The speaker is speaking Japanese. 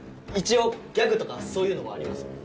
一応ギャグとかそういうのもあります。